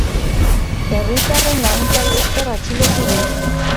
Herritarren laguntzari esker atxilotu dute.